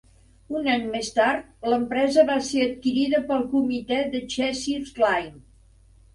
Un any més tard, l'empresa va ser adquirida pel comitè de Cheshire Lines.